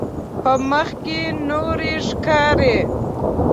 په مخ کې نور ښکاري.